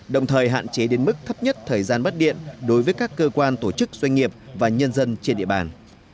đồng thời hạn chế đến mức thấp nhất thời gian mất điện đối với các cơ quan tổ chức doanh nghiệp và nhân dân trên địa bàn